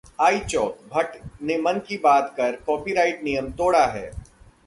iChowk: Bhatt ने मन की बात कर कॉपीराइट नियम तोड़ा है